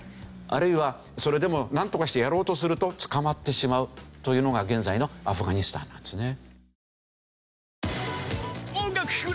あるいはそれでもなんとかしてやろうとすると捕まってしまうというのが現在のアフガニスタンなんですね。